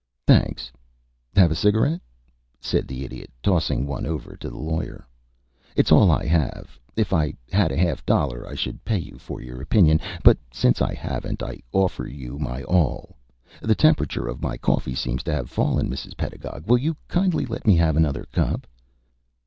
"Thanks. Have a cigarette?" said the Idiot, tossing one over to the Lawyer. "It's all I have. If I had a half dollar I should pay you for your opinion; but since I haven't, I offer you my all. The temperature of my coffee seems to have fallen, Mrs. Pedagog. Will you kindly let me have another cup?"